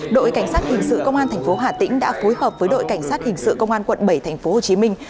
đội cảnh sát hình sự công an tp hà tĩnh đã phối hợp với đội cảnh sát hình sự công an quận bảy tp hồ chí minh